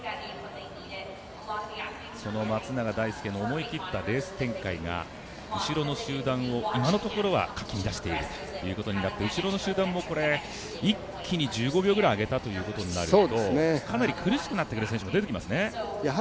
その松永大介の思い切ったレース展開が後ろの集団を今のところはかき乱しているということで後ろの集団も一気に１５秒ぐらい上げたということになるとかなり苦しくなってくる選手も出てきますね。